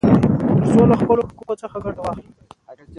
ترڅو له خپلو حقوقو څخه ګټه واخلي.